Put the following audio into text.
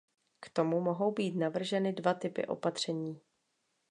K tomu mohou být navrženy dva typy opatření.